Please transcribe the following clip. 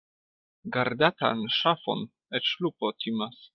Gardatan ŝafon eĉ lupo timas.